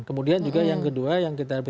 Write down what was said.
kemudian juga yang kedua yang kita